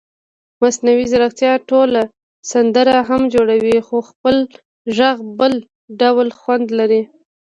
مصنوعي ځیرکتیا ټوله سندره هم جوړوي خو خپل غږ بل ډول خوند لري.